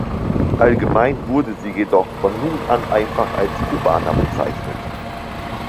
Allgemein wurde sie jedoch von nun an einfach als "Cubana" bezeichnet.